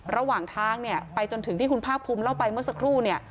ระหว่างทางเนี่ยไปจนถึงที่คุณภาคภูมิเล่าไปเมื่อสักครู่เนี่ย